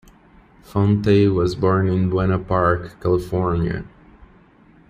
Fonte was born in Buena Park, California.